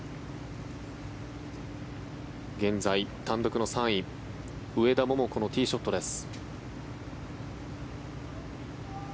現在単独３位上田桃子のティーショットです。